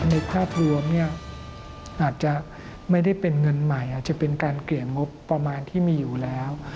ในภาพรวมเนี่ยอาจจะไม่ได้เป็นเงินใหม่อาจจะเป็นการเกลี่ยงบประมาณที่มีอยู่แล้ว